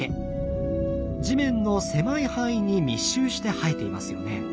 地面の狭い範囲に密集して生えていますよね。